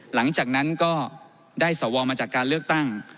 หลังจากนั้นก็ได้สวมาจากการเลือกตั้ง